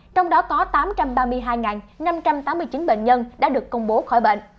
trong đó có tám trăm ba mươi hai năm trăm tám mươi chín bệnh nhân đã được công bố khỏi bệnh